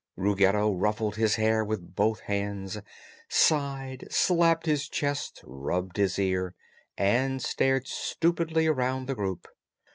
Ruggedo ruffled his hair with both hands, sighed, slapped his chest, rubbed his ear, and stared stupidly around the group.